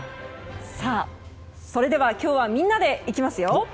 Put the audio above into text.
さあ、それでは今日はみんなでいきますよ。